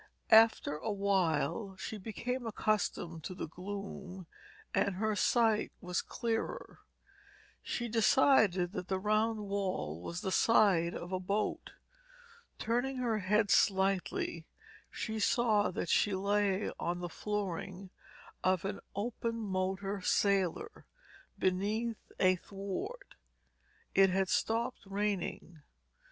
After a while she became accustomed to the gloom and her sight was clearer. She decided that the rounded wall was the side of a boat. Turning her head slightly she saw that she lay on the flooring of an open motor sailor, beneath a thwart. It had stopped raining.